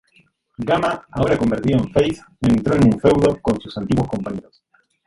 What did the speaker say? Gamma, ahora convertido en face, entró en un feudo con sus antiguos compañeros.